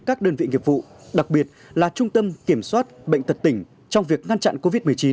các đơn vị nghiệp vụ đặc biệt là trung tâm kiểm soát bệnh tật tỉnh trong việc ngăn chặn covid một mươi chín